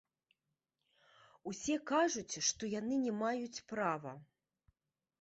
Усе кажуць, што яны не маюць права.